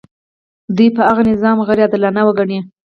دوی به هغه نظام غیر عادلانه وګڼي.